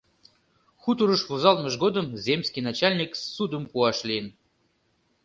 Хуторыш возалтмыж годым земский начальник ссудым пуаш лийын.